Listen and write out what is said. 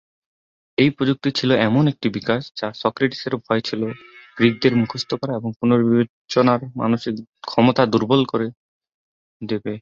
এই প্রযুক্তি ছিল এমন একটি বিকাশ যা সক্রেটিসের ভয় ছিল গ্রীকদের মুখস্থ করা এবং পুনর্বিবেচনার মানসিক ক্ষমতা দুর্বল করে দেবে।